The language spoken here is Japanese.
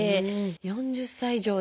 ４０歳以上で。